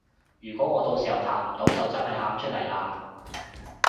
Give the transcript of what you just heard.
如果我到時彈唔到就真係喊出嚟啊